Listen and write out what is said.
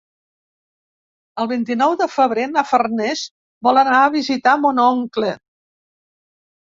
El vint-i-nou de febrer na Farners vol anar a visitar mon oncle.